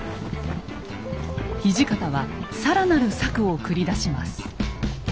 土方は更なる策を繰り出します。